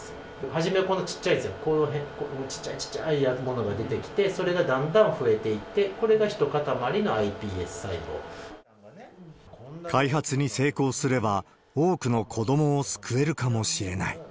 始めこんな小っちゃいやつ、この小っちゃい小っちゃーいものが出てきて、それがだんだん増えていって、開発に成功すれば、多くの子どもを救えるかもしれない。